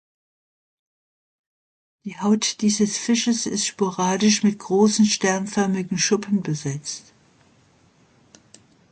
Die Haut dieses Fisches ist sporadisch mit großen, sternförmigen Schuppen besetzt.